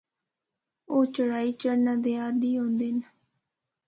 او چڑھائی چڑھنا دے عادی ہوندے ہن۔